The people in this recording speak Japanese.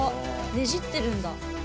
ねじってるんだ。